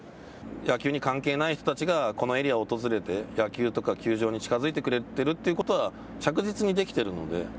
野球に関係ない人たちがこのエリアを訪れて、野球とか球場に近づいてくれているということは、着実にできているので。